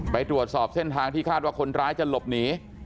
ไปตรวจสอบเส้นทางที่คาดว่าคนร้ายจะหลบหนี